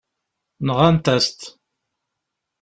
Nɣant-as-t.